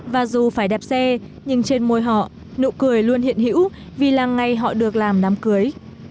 và dù phải đạp xe nhưng trên môi họ nụ cười luôn hiện hữu vì làng ngày họ được làm đám cưới